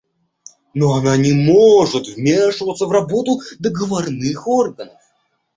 Но она не может вмешиваться в работу договорных органов.